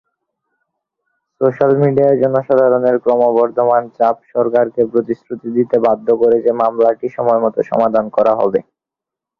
Social মিডিয়ায় জনসাধারণের ক্রমবর্ধমান চাপ সরকারকে প্রতিশ্রুতি দিতে বাধ্য করে যে মামলাটি সময়মতো সমাধান করা হবে।